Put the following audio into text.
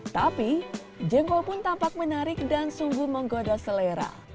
tapi jengkol pun tampak menarik dan sungguh menggoda selera